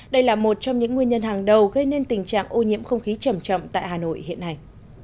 đây là một trong những nguyên nhân hàng đầu gây nên tình trạng ô nhiễm không khí chậm chậm tại hà nội hiện nay